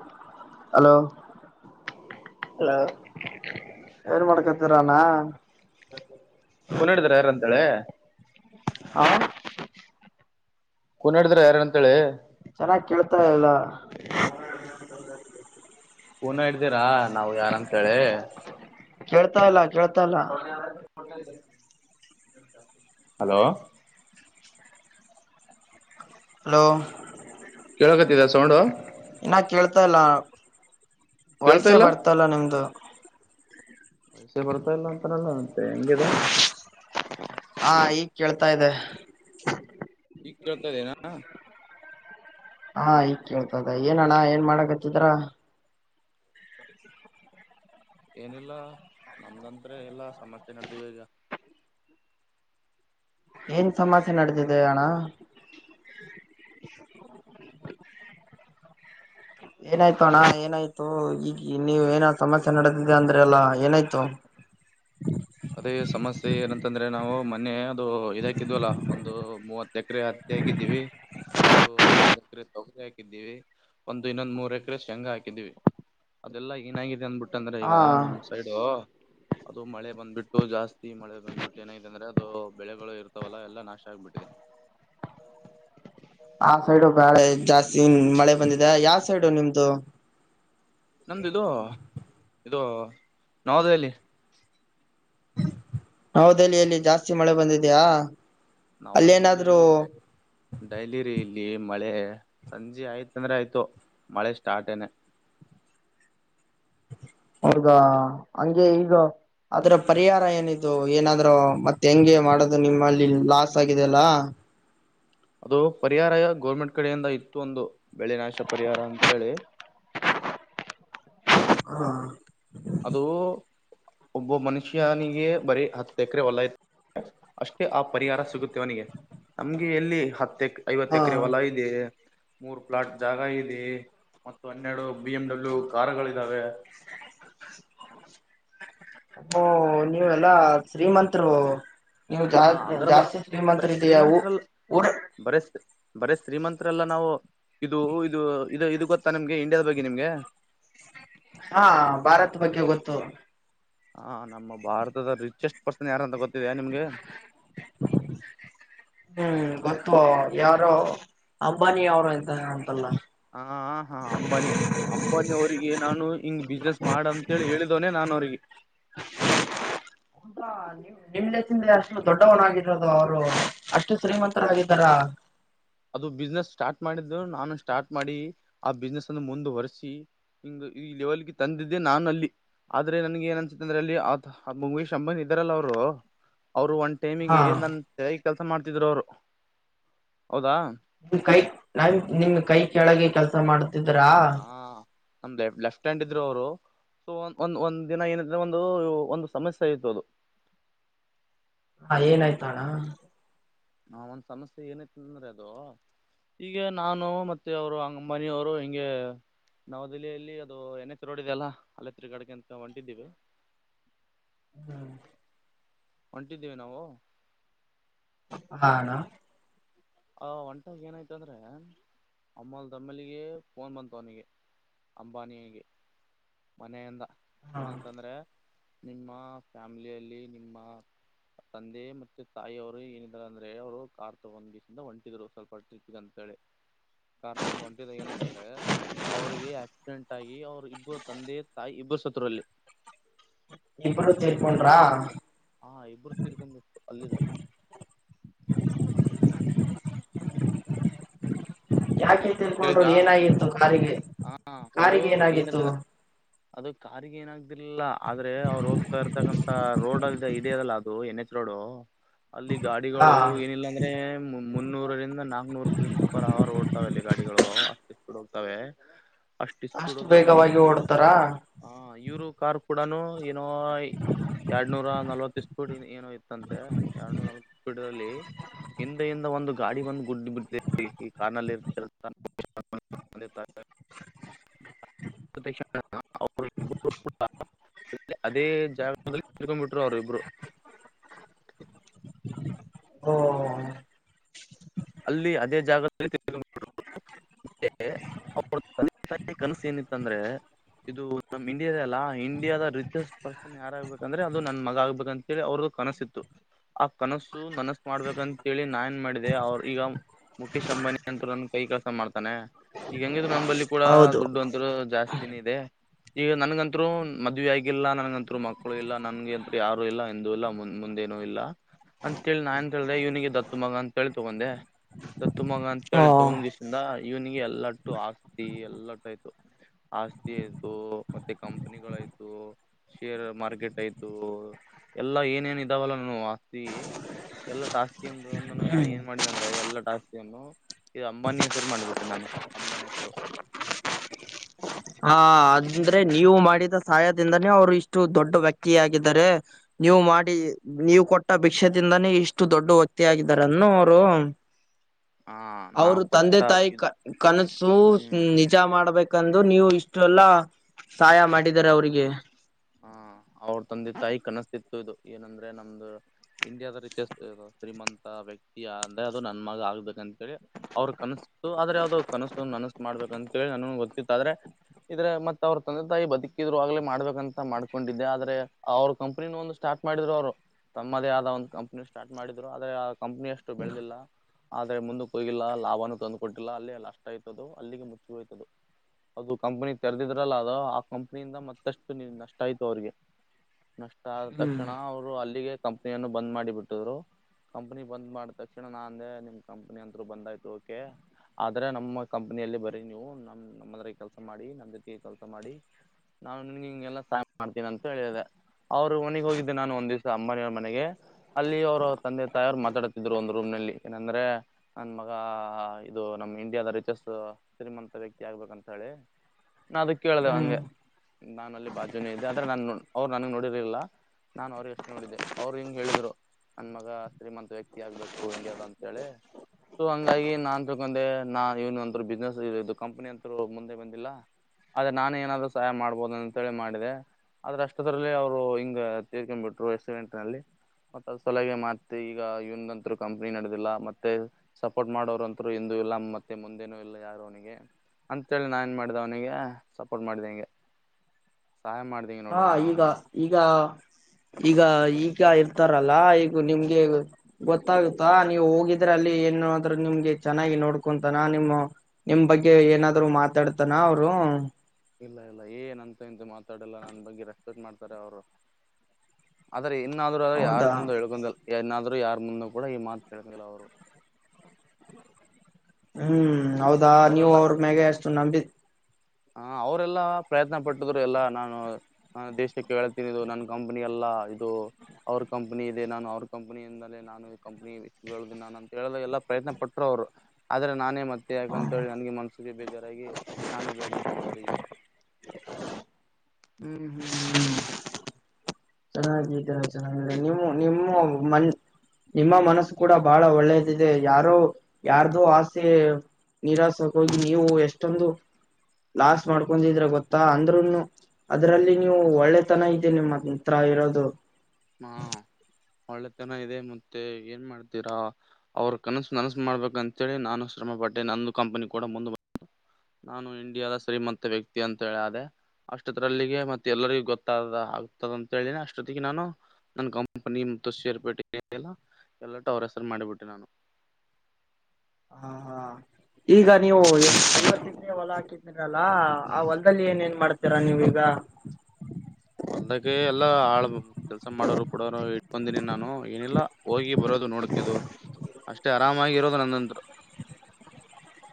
[inaudible] Hello ಅವಾರ ಮಡಕ ರಣ ನಡಿದಾರ ಯಾರ ಅಂತಳೆ ಹಾ ಕುನಡಿದ್ರ ಯಾರ ಚೆನ್ನಾಗಿ ಕೇಳ್ತಾಲ್ಲ ಹೂನ ಇಡ್ದೀರಾ ನಾವು ಯಾರಂತೇಳಿ ತ್ತಲ ಹಲೋ ಹಲೋ ಕೇಳಕತ್ತಿದ ಸೌೊಂಡು ಲ್ಲ ವಯಸೇ ಇಲ್ಲ ಬರ್ತಲ್ಲ ನಿಮ್ದು ಪೈಸೆ ಬರ್ತಾ ಇಲ್ಲ ಅಂತಾನಲ್ಲ ಮಂತೆೆ ಹೆಂಗದು ಹಾ ಈಗ್ ಕೇಳ್ತಾ ಇದೆ ಈಗ್ ಕೇಳ್ತದೆನಾ ಹಾ ಈ ಕೇಳ್ತದ ಏನಣ್ಣ ಏನ್ ಮಾಡಕತ್ತಿದ್ರ ಏನಿಲ್ಲ ನಮ್ದಂತ್ ಎಲ್ಲ ಸಮಸ್ಯೆ ನಡೆದವಿ ಈಗ [inaudible] ಏನ್ ಸಮಸ್ಯೆ ನಡೆದಿದೆ ಅಣ್ಣ [unintelligible] ಏನಾಯ್ತು ಅಣ್ಣ ಏನಾಯ್ತು ಈಗ ನೀವ ಏನ ಸಮಸ್ಯೆ ನಡೆದಿದೆ ಅಂದ್ರೆ ಎಲ್ಲ ಏನಾಯ್ತು [unintelligible] ಅದೇ ಸಮಸ್ಯೆ ಏನಂತಂದ್ರೆ ನಾವು ಮೊನ್ನೆ ಅದು ಇದ ಹಾಕಿದ್ವಲ್ಲ ಒಂದು ಮೂವತ್ತು ಎಕರೆ ಹೇಗಿದ್ದೀವಿ ಒಂದು ಹದ್ಿನೈದು ಎಕರೆ ತಗರಿ ಹಾಕಿದ್ದೀವಿ ಒಂದು ಇನ್ನೊಂದ ಮೂರ್ ಎಕರೆ ಶೇಂಗಾ ಹಾಕಿದ್ದೀವಿ ಅದೆಲ್ಲಾ ಏನಾಗಿದೆ ಅಂದ್ಬಿಟ್ಟಂದ್ರೆ ಈಗ ಹಾ ನಮ್ ಸೈಡು ಅದು ಮಳೆ ಬಂದ್ಬಿಟ್ಟ ಇತ್ತು ಜಾಸ್ತಿ ಮಳೆ ಬಂದ್ಬಿಟ್ಟು ಏನೈತೆ ಅಂದ್ರೆ ಅದು ಬೆಳೆಗಳು ಇರ್ತಾವಲ್ಲ ಎಲ್ಲಾ ನಾಶ ಆಗ್ಬಿಟ್ಟಿದೆ ಹ್ಮ ಆ ಸೈಡು ಬಳೆ ಜಾಸ್ತಿ ಮಳೆ ಬಂದಿದೆ ಯಾವ ಸೈಡು ನಿಮ್ದು ನಮ್ದು ಇದು ಇದು ನವದೆಹಲಿ ನವದೆಹಲಿಯಲ್ಲಿ ಜಾಸ್ತಿ ಮಳೆ ಬಂದಿದ್ಯಾ ಅಲ್ಲೇನಾದ್ರೂ ನವದೆಹಲಿಯಲ್ಲಿದೆ ಡೈಲಿ [unintelligible] ಇಲ್ಲಿ ಮಳೆ ಸಂಜೆ ಆಯ್ತ ಅಂದ್ರೆ ಆಯ್ತು ಮಳೆ ಸ್ಟಾರ್ಟಏನೆ ಹೌದಾ ಹಂಗೆ ಈಗ ಅದ್ರ ಪರಿಹಾರ ಏನಿದು ಏನಾದ್ರು ಮತ್ತೆ ಹೆಂಗೆ ಮಾಡದು ನಿಮ್ಮಲ್ಲಿ ಲಾಸ್ ಆಗಿದೆ ಅಲ್ಲ ಅದು ಪರಿಹಾರ ಗೌರ್ಮೆಂಟ್ ಕಡೆಯಿಂದ ಇತ್ತು ಒಂದು ಬೆಳೆ ನಾಶ ಪರಿಹಾರ ಅಂತೇಳಿ [inaudible] ಹಾ ಅದು ಒಬ್ಬ ಮನುಷ್ಯನಿಗೆ ಬರೀ ಹತ್ತು ಎಕರೆ ಹೊಲಾಯ್ತು ಅಷ್ಟೇ ಆ ಪರಿಹಾರ ಸಿಗುತ್ತೆ ಅವನಿಗೆ ನಮ್ಗೆ ಎಲ್ಲಿ ಹತ್ತು ಐವತ್ತು ಹಾ ಎಕರೆ ಹೊಲ ಇದೆ ಮೂರ್ ಪ್ಲಾಟ್ ಜಾಗ ಇದೆ ಮತ್ತು ಹನ್ನೆರಡು ಬಿ ಎಂ ಡಬ್ಲ್ಯೂ ಕಾರೂಗಳಿದಾವೆ [inaudible] ಓ ನೀವೆಲ್ಲಾ ಶ್ರೀಮಂಂತರು ನೀವು ಜಾ ಆ ಅಗರ್ಬ ಜಾಸ್ತಿ ಬರೀ ಶ್ರೀಮಂತರ ಇದಿಯಾ ಊ ಬರೇ ಬರಿ ಶ್ರೀಮಂತರಲ್ಲ ನಾವು ಇದು ಇದು ಇದು ಇದು ಗೊತ್ತಾ ನಿಮ್ಗೆ ಇಂಡಿಯಾದ ಬಗ್ಗೆ ನಿಮ್ಗೆ ಹಾ ಭಾರತ್ ಬಗ್ಗೆ ಗೊತ್ತು ಹ ನಮ್ಮ ಭಾರತದ ರಿಚೆಸ್ಟ್ ಪರ್ಸನ್ ಯಾರ ಅಂತ ಗೊತ್ತ ಗೊತ್ತಿದೆಯಾ ನಿಮಗೆ ಹ್ಮ್ ಗೊತ್ತು ಯಾರು ಅಂಬಾನಿ ಅವರು ಇಂತ ಅಂತಲ್ಲ ಹ ಹ ಅಂಬಾನಿ ಅಂಬಾನಿ ಅವರಿಗೆ ನಾನು ಹಿಂಗ್ ಬಿಸ್ನೆಸ್ ಮಾಡ ಅಂತೇಳಿ ಹೇಳಿದವನೇ ನಾನು ಅವ್ರಿಗೆ ಉಟಾ ನಿ ನಿಮ್ಮಳೆ ತಿಂದೆ ಅಷ್ಟು ಷ್ಟು ದೊಡ್ಡವನಾಗಿರದು ಅವರು ಅಷ್ಟು ಶ್ರೀಮಂತರಾಗಿದ್ದಾರ ಅದು ಬಿಸ್ನೆಸ್ ಸ್ಟಾರ್ಟ್ ಮಾಡಿದ ನಾನು ಸ್ಟಾರ್ಟ್ ಮಾಡಿ ಆ ಬಿಸ್ನೆಸ್ ಅನ್ನು ಮುಂದುವರೆಸಿ ಹಿಂಗ ಈ ಲೆವೆಲ್ಗೆ ತಂದಿದ್ದೆ ನಾನು ಅಲ್ಲಿ ಆದ್ರೆ ನನ್ಗೆ ಏನ್ನ್ಸುತ್ತಂದ್ರೆ ಅಲ್ಲಿ ಮುಕೇಶ್ ಅಂಬಾನಿ ಇದರಲ್ಲ ಅವರು ಅವರು ಒಂದು ಹಾ ಟೈಮಿಗೆ ನನ್ನ ಕೈಲ್ ಕೆಲಸ ಮಾಡ್ತಿದ್ರು ಅವರು ಹೌದಾ ನಿ ಕೈ ನಿಮ್ ಕೈ ಕೆಳಗೆ ಕೆಲಸ ಮಾಡುತ್ತಿದ್ದ್ರಾ ಹ ನಮ್ ಲೆಫ್ಟ್ ಹ್ಯಾಂಡ್ ಇದ್ರು ಅವರು ಸೊ ಒ ಒಂದ್ ಒಂದ್ ದಿನ ಏನಿದ್ರೆ ಒಂದು ಒಂದು ಸಮಸ್ಯೆ ಇತ್ತು ಅದು ಹಾ ಏನಾಯ್ತಣ ನಾ ಒಂದ್ ಸಮಸ್ಯೆ ಏನೈತಿ ಅಂದ್ರೆ ಅದು ಈಗೆ ನಾನು ಮತ್ತೆ ಅವರು ಅಂಗ ಮನಿಯವರು ಹಿಂಗೆ ನವದೆಹಲೀಯಲ್ಲಿ ಅದು ಎನ್ ಎತ್ ರೋಡಿದೆಲ್ಲ ಅಲ್ಲೆತ್ರಿ ಕಡೆಗೆ ಅಂತ ಹೊಂಟಿದ್ದೀವಿ ಹ್ಮ ಹೊಂಟಿದ್ದೀವಿ ನಾವು ಹ ಅಣ್ಣ ಆ ಒಂಟಾಗ ಏನಾಯ್ತು ಅಂದ್ರೆ ಅಮ್ಮಲ್ ದಮ್ಮಲಿಗೆ ಫೋನ್ ಬಂತ ಅವನಿಗೆ ಅಂಬಾನಿಗೆ ಮನೆಯಿಂದ ಹ ಏನಂತಂದ್ರೆ ನಿಮ್ಮ ಫ್ಯಾಮಿಲಿಯಲ್ಲಿ ನಿಮ್ಮ ತಂದೆ ಮತ್ತೆ ತಾಯಿ ಅವರು ಏನಿದಾರ ಅಂದ್ರೆ ಅವ್ರು ಕಾರ್ ತಗೊಂಡ್ ಇ ಒಂಟಿದರು ಸ್ವಲ್ಪಿಪ ಅಂತೇಳಿ ಕಾರ್ ತಗೊಂಡ್ ಒಂಟಿದ ಏನೈ ಅಂದ್ರೆ ಅವ್ರಿಗೆ ಆಕ್ಸಿಡೆಂಟ್ ಆಗಿ ಅವ್ರ ಇಬ್ಬರ ತಂದೆ ತಾಯಿ ಇಬ್ಬರ ಸತ್ರಲ್ಲಿ ಇಬ್ಬರು ತಿರೀಕೊಂಡ್ರ ಹಾ ಇಬ್ಬರು ತೀರಿಕೊಂಡರು ಅಲ್ಲಿದ ಹ [unintelligible] [unintelligible] ಕೇಳಿತಾ ತಿಳ್ಕೊಂಡರು ಏನಾಗಿತ್ತು ಕಾರಿಗೆ ಹ ಅದು ಕಾರಿಗೆ ಏನಾಗಿತ್ತು ಏನದ ಅದು ಕಾರಿಗೆ ಏನಾಗ್ದರ್ಲಿಲ್ಲ ಆದ್ರೆ ಅವ್ರು ಹೋಗ್ತಾ ಇರ್ತಕ್ಕಂತ ರೋಡ್ ಆಗ ಇದಿಯದಲ್ಲ ಅದು ಎನ್ ಎಚ್ ರೋಡ್ ಅಲ್ಲಿ ಹಾ ಗಾಡಿಗಳು ಏನಿಲ್ಲ ಅಂದ್ರೆ ಮುನ್ನೂರರಿಂದ ನಾಕ್ನೂರು ಕಿಲೋಮೀಟರ್ ಪರ್ ಅವರ್ ಓಡ್ತಾವಲ್ಲಿ ಗಾಡಿಗಳು ಅಷ್ಟು ಸ್ಪೀಡ್ ಹೋಗ್ತಾವವೆ ಅಷ್ಟು ಸ್ಪೀಡ್ ಹೋದ್ರಲ್ಲಿ ವೇಗವಾಗಿ ಯರೋಪ್ ಓಡ್ತಾರಾ ಹ [unintelligible] ಇವರು ಕಾರ್ ಕೂಡನು ಏನೋ ಎರಡ್ನೂರ ನಲಾವತ್ ಇಷ್ಟು ಸ್ಪೀಡ್ ಏನೋ ಇತ್ತಂತೆ ಎರಡ್ನೂರ ನಲ್ವತ್ ಸ್ಪೀಡ್ ಅಲ್ಲಿ ಹಿಂದ ಹಿಂದ ಒಂದು ಗಾಡಿ ಬಂದು [unintelligible] ಗುಡ್ ಬಿಡ್ ಈ ಕಾರ್ನಲ್ಲಿ ಇರ್ [unintelligible] [unintelligible] [unintelligible] ಅದೇ ಜಾಗದಲ್ಲಿ [unintelligible] ತಿಳ್ಕೊಂಡ್ ಬಿಟ್ರು ಅವರು ಇಬ್ರು ಓ ಅಲ್ಲಿ ಅದೇ ಜಾಗದಲ್ಲಿದು [unintelligible] [unintelligible] ತಂದೆ ತಾಯಿ ಕನಸು ಏನಿತ್ತ ಅಂದ್ರೆ ಇದು ನಮ್ ಇಂಡಿಯಾದ ಅಲ್ಲ ಇಂಡಿಯಾದ ರಿಚೆಸ್ಟ್ ಪರ್ಸನ್ ಯಾರಾಗ್ಬೇಕಂದ್ರೆ ಅದು ನನ್ ಮಗ ಆಗ್ಬೇಕ ಅಂತೇಳಿ ಅವ್ರ್ದ ಕನಸಿತ್ತು ಆ ಕನಸು ನನಸು ಮಾಡ್ಬೇಕಂತೇಳಿ ನಾ ಏನ್ ಮಾಡಿದೆ ಅವ್ರ ಈಗ [unintelligible] ಮುಖೇಶ್ ಅಂಬಾನಿ ಅಂತರು ನನ್ನ ಕೈ ಕೆಳ್ಸ ಮಾಡ್ತಾನೆ ಈಗ ಹಂಗಿದ್ರು ನನ್ನ ಬಲ್ಲಿ ಕೂಡ ಹೌದು ದುಡ್ಡು ಅಂತರು ಜಾಸ್ತಿ [unintelligible] ತಿದೆ ಈಗ ನನ್ಗಂತರು ಮದುವ ಆಗಿಲ್ಲ ನನ್ಗಂತರು ಮಕ್ಕಳು ಇಲ್ಲ ನನ್ಗಂತರು ಯಾರು ಇಲ್ಲ ಇಂದು ಎಲ್ಲ ಮುಂದೆ [unintelligible] ಏನು ಇಲ್ಲ ಅಂತೇಳಿ ನಾನ್ಏನ್ ಕೇಳಿದ್ರೆ ಇವನಿಗೆ ದತ್ತು ಮಗ ಅಂತೇಳಿ ತಗೊಂಡೆ [unintelligible] ತುಮಂಗ ಅಂತ ಹ ಹೇಳತ್ತು ಒಂದ್ ದಿವ್ಸಿಂದ ಇವ್ನಿಗೆ ಎಲ್ಲಟ್ಟು ಆಸ್ತಿ ಎಲ್ಲಟ್ಟು ಆಯ್ತು ಆಸ್ತಿ ಆಯ್ತು ಮತ್ತೆ ಕಂಪನಿಗಳಯ್ತು ಶೇರ್ ಮಾರ್ಕೆಟ್ ಆಯ್ತು ಎಲ್ಲಾ ಏನೇನ್ ಇದಾವಲ್ಲ ನ ಆಸ್ತಿ ಎಲ್ಲ ಅಸ್ತಿ ಅಂದ ನಾ ಏನ್ ಮಾಡಿದಿದೆ ಅಂದ್ರೆ ಎಲ್ಲಾ ಅಸ್ತಿಯನ್ನು ಈ ಅಂಬಾನಿ ಹೆಸರು ಮಾಡ್ಬಿಟ್ಟು ನಾಮ ಅಂಬನಿ ಹೆಸರು ಹಾ ಅದಂದ್ರೆ ನೀವು ಮಾಡಿದ ಸಹಾಯದಿಂದಾನೇ ಅವ್ರು ಇಷ್ಟು ದೊಡ್ಡ ವ್ಯಕ್ತಿಯಾಗಿದ್ದಾರೆ ನೀವು ಮಾಡಿ ನೀವು ಕೊಟ್ಟ ಭಿಕ್ಷದಿಂದಾನೇ ಇಷ್ಟು ದೊಡ್ಡ ವ್ಯಕ್ತತಿಯಗಾರ ಅನ್ನು ಅವರು [unintelligible] [inaudible] ನಾವ್ ಅವರು ತಂದೆ ಕೊಟ್ಟ ತಾಯಿ ಇದು ಕನಸು ಹ್ಮ್ ನಿಜ ಮಾಡ್ಬೇಕೆಂದು ನೀವು ಇಷ್ಟು ಎಲ್ಲ ಸಹಾಯ ಮಾಡಿದ್ದಾರೆ ಅವ್ರಿಗೆ ಹಾ [unintelligible] ಅವ್ರ ತಂದೆ ತಾಯಿ ಕನಸಿತ್ತು ಇದು ಏನಂದ್ರೆ ನಮ್ದು ಇಂಡಿಯಾದ ರಿಚಸ್ ಶ್ರೀಮಂತ ವ್ಯಕ್ತಿ [unintelligible] ಅಂದ್ರೆ ಅದು ನನ್ ಮಗ ಆಗ್ಬೇಕಂತೇಳಿ ಅವ್ರ ಕನಸ್ತು ಆದ್ರೆ ಅದು ಕನಸ್ತು ನನಸ್ ಮಾಡಬೇಕಂತ [unintelligible] ನನ ಗೊತ್ತಿತ್ತ ಆದ್ರೆ ಇದ್ರೆ ಮತ್ ಅವ್ರ ತಂದೆ ತಾಯಿ ಬದುಕಿದ್ರು ಆಗ್ಲೇ ಮಾಡಬೇಕಂತ ಮಾಡ್ಕೊಂಡಿದ್ದೆ ಆದ್ರೆ ಅವ್ರ ಕಂಪನಿ ಒಂದು ಸ್ಟಾರ್ಟ ಮಾಡಿದ್ರು ಅವ್ರು ತಮ್ಮದೇ ಆದ ಒಂದ್ ಕಂಪಾನಿ ಸ್ಟಾರ್ಟ್ ಮಾಡಿದ್ರು ಆದ್ರೆ ಆ ಕಂಪಾನಿ ಅಷ್ಟು ಬೆಳೆದಿಲ್ಲ ಆದ್ರೆ ಮುಂದಕ್ಕೆ ಹೋಗಿಲ್ಲ ಲಾಭನೂ ತಂದುಕ ಕೊಟ್ಟಿಲ್ಲ ಅಲ್ಲಿ ಲಾಸ್ಟ್ ಆಯ್ತುದು ಅಲ್ಲಿಗೆ ಮುಚ್ಚಗ ಹೋಯ್ತು ಅದು ಕಂಪನಿ ತೆರೆದಿದ್ರಲ್ಲ ಅದು ಆ ಕಂಪನಿಯಿಂದ ಮತ್ತಷ್ಟು ನೀ ನಷ್ಟ ನಷ್ಟ ಆಯ್ತು ಅವ್ರಿಗೆ ನಷ್ಟ ಆದ ಹ್ಮ್ ತಕ್ಷಣ ಅವ್ರು ಅಲ್ಲಿಗೆ ಕಂಪನಿಯನ್ನು ಬಂದ್ ಮಾಡಿ ಬಿಟ್ಟಿದ್ರು ಕಂಪನಿ ಬಂದ್ ಮಾಡಿದ ತಕ್ಷಣ ನಾಂದೆ ನಿಮ್ ಕಂಪನಿ ಅತ್ರು ಬಂದಾಯ್ತು ಓಕೆ ಆದ್ರ ನಮ್ಮ ಕಂಪನಿಯಲ್ಲಿ ಬರೀ ನೀವು ನಮ ನಮ್ಮದ್ರ ಕೆಲಸ ಮಾಡಿ ನಮ್ಮ್ ಜೊತೆಗೆ ಕೆಲಸ ಮಾಡಿ ನಾನ್ ನಿನ್ಗೆ ಹಿಂಗೆಲ್ಲ ಸಹಾಯ ಮಾಡ್ತೀನ ಅಂತ ಹೇಳಿದೆ ಅವ್ರು ಒನೆಗ್ ಹೋಗಿದ್ದೆ ನಾನು ಒಂದ್ ದಿವ್ಸ ಅಂಬಾನಿಯವರ ಮನೆಗೆ ಅಲ್ಲಿ ಅವರು ತಂದೆ ತಾಯಿ ಅವರು ಮಾತಾಡತಿದ್ರು ಒಂದು ರೂಮ್ ನಲ್ಲಿ ಏನಂದ್ರೆ ನನ್ ಮಗ ಇದು ನಮ್ಮ ಮಗ ಇಂಡಿಯಾದ ರಿಚೆಸ್ ಶ್ರೀಮಂತ ವ್ಯಕ್ತಿ ಆಗ್ಬೇಕಂತ ಹೇಳಿ ನಾ ಅದ ಕೇಳ್ದೇವ ಹ್ಮ್ ಹಂಗೆ ನಾನ ಅಲ್ಲಿ ಬಾಜುನೇ ಇದದೆ ಆದ್ರೆ ನಾನ ಅವ್ರು ನನಗ್ ನೋಡಿರ್ಲಿಲ್ಲ ನಾನ್ ಅವ್ರಿಗೆಷ್ಟು ನೋಡಿದ್ದೆ ಅವ್ರು ಹೆಂಗ ಹೇಳಿದ್ರು ನನ್ ಮಗ ಶ್ರೀಮಂತ ವ್ಯಕ್ತಿ ಆಗ್ಬೇಕು ಇಂಡಿಯಾದ ಅಂಂತೇಳಿ ಸೊ ಹಂಗಾಗಿ ನಾನ್ ತಿಳ್ಕೊಂಡೆ ನಾ ಇವನ್ ಒಂತ ಬಿಸ್ನೆಸ್ ಇದು ಕಂಪನಿ ಅಂತರು ಮುಂದೆ ಬಂದಿಲ್ಲ ಅದೇ ನಾನು ಏನಾದರು ಸಹಾಯ ಮಾಡಬಹದ ಅಂತ ಹೇಳಿ ಮಾಡಿ [unintelligible] ಆದ್ರ ಅಷ್ಟ ತರಲ್ಲಿ ಅವ್ರು ಹಿಂಗ ತೀರ್ಕೊಡ್ ಬಿಟ್ರು ಎಸ್ವೆಂಟ್ ನಲ್ಲಿ ಮತ್ತ ಅದ್ ಸಲಗೆ ಮಾತ್ತಿ ಈಗ ಇವನ್ಂತರು ಕಂಪನಿ ನಡೆದಿಲ್ಲ ಮತ್ತೆ ಸಪೋರ್ಟ್ ಮಾಡೋರುಂತರು ಎಂದು ಇಲ್ಲ ಮತ್ತೆ ಮುಂದೇನು ಇಲ್ಲ ಯಾರು ಅವನಿಗೆ. ಅಂತೇಳಿ ನಾ ಎನ್ ಮಾಡ್ದೆ ಅವ್ನಿಗೆ ಸಪೋರ್ಟ್ ಮಾಡಿದೆ ಹಿಂಗೆ. ಸಹಾಯ ಮಾಡ್ದಿಂಗೆ ನೋಡು ಹಾ ನಾನು ಈಗ ಅವನಿಗೆ ಈಗ ಈಗ ಈಗ ಇರ್ತಾರಲ್ಲ ಈಗ ನಿಮ್ಗೆ ಗೊತ್ತಾಗುತ್ತಾ ನೀವು ಹೋಗಿದ್ರೆ ಅಲ್ಲಿ ಏನು. [unintelligible] ರು ನಿಮ್ಗೆ ಚೆನ್ನಾಗಿ ನೋಡ್ಕೊತಾನ ನಿಮ್ಮ ನಿಮ್ ಬಗ್ಗೆ ಏನಾದ್ರು ಮಾತಾಡ್ತಾನ ಅವರು ಇಲ್ಲ ಇಲ್ಲ ಏನ್ ಅಂತ ಅಂತೆ ಮಾತಾಡಲ್ಲ ನನ್ ಬಗ್ಗೆ ರೆಸ್ಪೆಕ್ಟ್ ಮಾಡ್ತಾರೆ ಅವರು. ಆದ್ರೆ ಇನ್ನಾದ್ರು ಆದ್ರರು ಯಾರ ಹೌದಾ ಮುಂದ ಎಳ್ಕಂದ ಇನ್ನಾದ್ರು ಯಾರ್ ಮುಂದ ಕೂಡ ಈ ಮಾತು ಹೆಳಕಿಲ್ಲ ಅವರು. ಹ್ಮ್ ಹೌದಾ ನೀವು ಅವರೆಲ್ಲ ಅವ್ರ ಮ್ಯಾಗ ಅಷ್ಟು ನಂಬಿದ್ ಹ ಅವರೆಲ್ಲಾ ಪ್ರಯತ್ನ ಪಟ್ಟಿದ್ರು ಎಲ್ಲಾ ನಾನು ನ ದೇಶದುಕ್ಕೆ ಹಳತೀನು ನನ್ನ ಕಂಪನಿ ಅಲ್ಲ.. ಇದು ಅವ್ರ ಕಂಪ್ನಿ ಇದೆ ನಾನು ಅವ್ರ ಕಂಪ್ನಿ ಇಂದಲೇ ನಾನು ಕಂಪ್ನಿದ [unintelligible] ನಾನು ಅಂತ ಹೇಳ್ದೆ. ಎಲ್ಲ ಪ್ರಯತ್ನ ಪಟ್ಟರು ಅವ್ರು ಆದ್ರೆ ನಾನೇ ಮತ್ತೆ ಯಾಕಂತ ಹ್ಮ್ ಹೇಳಿ ನನಗೆ ಮನಸ್ಸಿಗೆ ಬೇಜಾರಾಗಿ ನಾನೇ ಬೇಡ ಬಂಗಾರಿ. ಹ್ಮ್ ಹ್ಮ್ ಹ್ಮ ಚೆನ್ನಾಗ ಚೆನ್ನ ನಿಮ್ಮ ನಿಮ್ಮ ಮಂ ನಿಮ್ಮ ಮನಸ್ಸು ಕೂಡ ಬಹಳ ಒಳ್ಳೇದಿದೆ ಯಾರೋ ಯಾರ್ದು ಆಸೆ. ನಿರಾಸಗ ಹೋಗಿ ನೀವು ಎಷ್ಟೊಂದು. ಲಾಸ್ ಮಾಡ್ಕೊಂಡಿದೀರ ಗೊತ್ತಾ ಅಂದ್ರುನು ಅದ್ರಲ್ಲಿ ನೀವು ಒಳ್ಳೆತನ ಇದೆ ನಿಮ್ಮತ್ ಹತ್ರ ಇರೋದು. ಹಾ ಒಳ್ಳೆತನ ಇದೆ ಮತ್ತೆ ಏನ್ ಮಾಡ್ತೀರಾ ಅವ್ರ ಕನಸು ನನಸು ಮಾಡ್ಬೇಕ ಅಂತೇಳಿ ನಾನು ಶ್ರಮ ಪ [unintelligible] ಟ್ಟೆ ನಂದು ಕಂಪನಿ ಕೂಡ ಮುಂದೆ ಬು [unintelligible] ನಾನು ಇಂಡಿಯಾದ ಶ್ರೀಮಂತ ವ್ಯಕ್ತಿ ಅಂತ ಹೇಳಾದೆ. ಅಷ್ಟತ್ರಲ್ಲಿಗೆ ಮತ್ತೆ ಎಲ್ಲರಿಗೂ ಗೊತ್ತ ಅತ ಆಗ್ತದ ಅಂತ ಹೇಳಿನನೆ ಅಷ್ಟೊತ್ತಿಗೆ ನಾನು. ನನ್ ಕಂಪನಿ ಮತ್ತು ಶೇರ್ ಪೇಟಿಕೆಲ್ಲ ಎಲ್ಲ ಟು ಅವರ್ ಹೆಸ್ರು ಮಾಡಿಬಿಟ್ಟೆ ನಾನು. [inaudible] ಹಾ ಹಾ ಈಗ ನೀವು [unintelligible] [unintelligible] ಹೊಲ ಹಾಕಿದನಿರಲ್ಲ ಆ ಹೊಲದಲ್ಲಿ ಏನ್ ಏನ್ ಮಾಡ್ತೀರ ನೀವೀಗ. ಹೊಲ್ದಕ್ಕೆ ಎಲ್ಲಾ ಆಳ ಕೆಲ್ಸ ಮಾಡೋರು ಬಿಡೋರು [unintelligible] ಬಂದಿನಿ ನಾನು ಏನಿಲ್ಲ ಹೋಗಿ ಬರೋದು ನೋಡ್ಕದು. ಅಷ್ಟೇ ಆರಾಮಾಗಿ ಇರೋದು ನನ್ನಂತರು.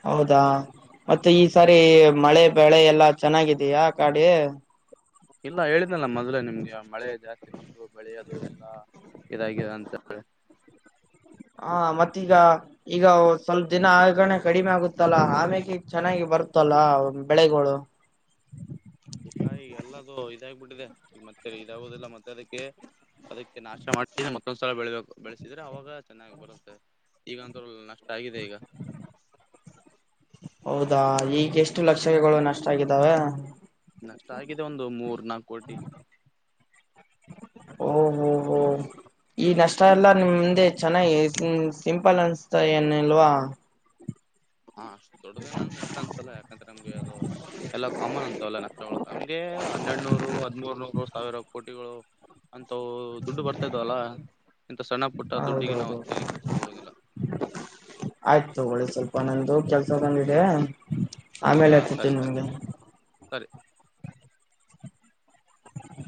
ಹೌದಾ ಮತ್ತೆ ಈ ಸಾರಿ ಮಳೆ ಬೆಳೆ ಎಲ್ಲಾ ಚೆನ್ನಾಗಿದಯಾ ಕಾಡೆ. ಇಲ್ಲ ಹೇಳಿದ್ನಲ್ಲ ಮೊದ್ಲೇ ನಿಮ್ಗೆ ಮಳೆ ಜಾಸ್ತಿ ಬಂದು ಬೆಳೆಯದು ಎಲ್ಲಾ. ಇದಾಗಿದೆ ಅಂತ ಹ ಮತ್ತೀಗ ಈಗ ಸ್ವಲ್ಪ ದಿನ ಆಗಣೆ ಕಡಿಮೆ ಆಗುತ್ತಲ್ಲ ಆಮೆಕೆ ಚೆನ್ನಾಗಿ ಬರುತ್ತಲ್ಲ. ಅಂ ಬೆಳೇಗುಳು. ಇಲ್ಲ ಈಗ ಎಲ್ಲದು ಇದಾಗಿಬಿಟ್ಟಿದೆ ಈಗ ಮತ್ತೆ ಇದಾಗುದಿಲ್ಲ ಮತ್ತೆ ಅದಕ್ಕೆ. ಅದಕ್ಕೆ ನಾಶ ಮಾಡಿದೆ ಮತ್ತೊಂದ್ ಸಲ ಬೆಳಿಬೇಕು. ಬೆಳಸಿದ್ರೆ ಅವಾಗ ಚೆನ್ನಾಗ್ ಬರುತ್ತೆ ಈಗಂತ್ರು ನಷ್ಟ ಆಗಿದೆ ಈಗ. ಹೌದಾ ಈಗ ಎಷ್ಟು ಲಕ್ಷಗಳು ನಷ್ಟ ಆಗಿದ್ದಾವೆ. ನಷ್ಟ ಆಗಿದೆ ಒಂದು ಮೂರ್ ನಾಕ್ ಕೋಟಿ. ಓ ಹೋ ಹೋ. ಈ ನಷ್ಟ ಎಲ್ಲಾ ನಿಮ್ದೆ ಚೆನ್ನಾಗಿ ಸಿಂಪಲ್ ಅನ್ಸ್ತ ಏನಿಲ್ವಾ. ಹಾ ಅಷ್ಟು ದೊಡ್ಡದೇನ ಅಷ್ಟ ಅಂಸಲ್ಲ ಯಾಕಂದ್ರೆ ನಮಗೆ ಅದು. ಎಲ್ಲ ಕಾಮನ್ ಅಂತವೆಲ್ಲ ನಷ್ಟಗಳು ನಮ್ಗೆ ಹನ್ನೆಡ್ನೂರು ಹದ್ಮೂರ್ ನೂರು ಸಾವಿರ ಕೋಟಿಗಳು. ಅಂತ ದುಡ್ಡು ಬರ್ತಾ ಇದವಲ್ಲ. ಇಂತ ಸಣ್ಣ ಪುಟ್ಟ ದುಡ್ಡಿಗೆ ನಾವು ಹೌದೌದು ತಲಿ ಕೆಡ್ಸುಕೋ ಹೋಗೋದಿಲ್ಲ. ಆಯ್ತು ತಗೊಳ್ಳಿ ಸ್ವಲ್ ಒಂದೊಂದು ಕೆಲ್ಸ ಬಂದಿದೆ ಹೌದಾ ಆಮೇಲೆ ಸರಿ ಹಚ್ಚುತ್ತೀನಿ ಸರಿ ನಿಮ್ಗೆ. ಸರಿ